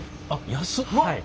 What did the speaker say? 安っ。